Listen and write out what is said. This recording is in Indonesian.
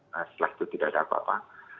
nah setelah itu tidak ada apa apa